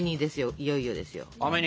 いよいよですよ。あめ煮！